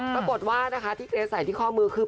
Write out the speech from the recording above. ปรากฏว่านะคะที่เกรสใส่ที่ข้อมือคือ